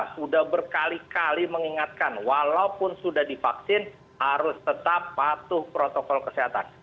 sudah berkali kali mengingatkan walaupun sudah divaksin harus tetap patuh protokol kesehatan